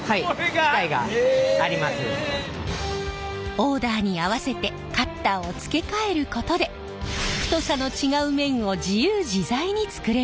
オーダーに合わせてカッターを付け替えることで太さの違う麺を自由自在に作れます。